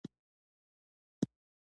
غوږ د بدن د تعادل په ساتنه کې هم اهمیت لري.